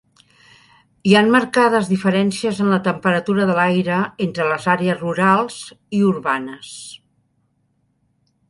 Hi ha marcades diferències en la temperatura de l'aire entre les àrees rurals i urbanes.